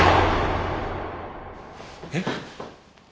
えっ？